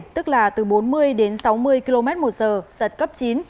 tức là từ bốn mươi đến sáu mươi km một giờ giật cấp chín